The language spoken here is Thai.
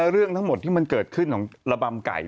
เรื่องทั้งหมดที่มันเกิดขึ้นของระบำไก่